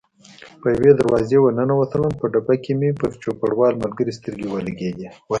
په یوې دروازې ور ننوتلم، په ډبه کې مې پر چوپړوال ملګري سترګې ولګېدې.